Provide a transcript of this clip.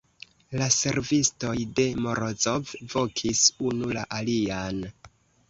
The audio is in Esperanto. La servistoj de Morozov vokis unu la alian.